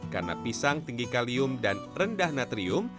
karena pisang tinggi kalium dan rendah natrium